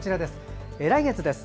来月です。